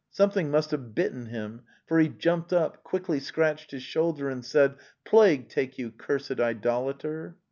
Something must have bitten him, for he jumped up, quickly scratched his shoulder and said: '"" Plague take you, cursed idolater!